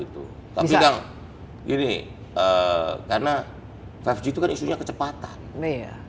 tapi kan gini karena lima g itu kan isunya kecepatan